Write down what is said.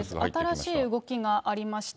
新しい動きがありました。